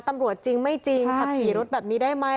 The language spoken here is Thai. ตำรวจจริงไม่จริงขับขี่รถแบบนี้ได้ไหม